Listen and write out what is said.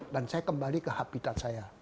dan saya kembali ke habitat saya